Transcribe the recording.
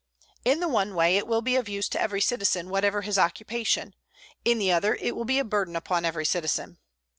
In the one way it will be of use to every citizen, whatever his occupation; in the other it will be a burden upon every citizen.